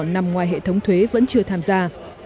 nằm ngoài hệ thống thuế vẫn chưa tham gia